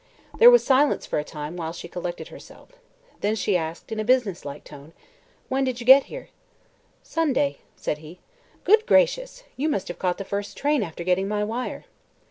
There was silence for a time, while she collected herself. Then she asked in a businesslike tone: "When did you get here?" "Sunday," said he. "Good gracious! You must have caught the first train after getting my wire."